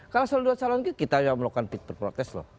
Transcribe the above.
kalau soal dua calon itu kita yang melakukan fitur protes loh